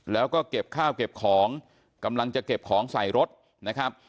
แล้วก็เก็บข้าวเก็บของกำลังจะเก็บของใส่รถนะครับ